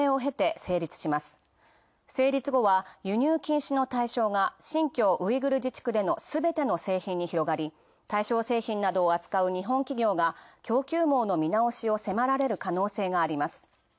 成立後は、輸入禁止の対象が新疆ウイグル自治区でのすべての製品に広がり、対象製品などを扱う日本企業が供給網の見見直しを迫られる可能性があります。